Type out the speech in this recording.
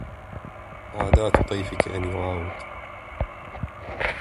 عادات طيفك أن يعاود